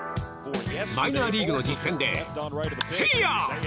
マイナーリーグの実戦でセイヤッ！